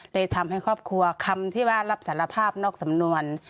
เลยทำให้ครอบครัวคำที่ว่ารับสารภาพนอกสำนวน